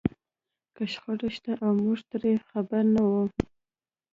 که شخړه شته او موږ ترې خبر نه وو.